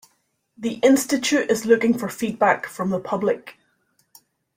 The institute is looking for feedback from the public.